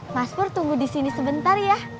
mas pur tunggu disini sebentar ya